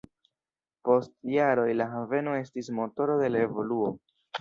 Post jaroj la haveno estis motoro de la evoluo.